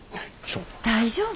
大丈夫？